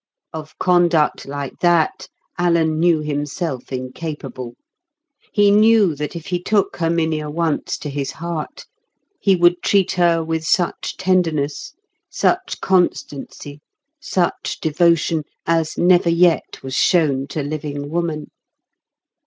Of conduct like that, Alan knew himself incapable. He knew that if he took Herminia once to his heart, he would treat her with such tenderness, such constancy, such devotion as never yet was shown to living woman.